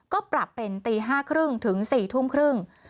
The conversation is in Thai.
ก็ปรับเป็นตี๕๓๐ถึง๔๓๐